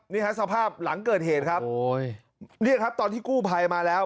สภาพหลังเกิดเหตุครับโอ้ยเนี่ยครับตอนที่กู้ภัยมาแล้ว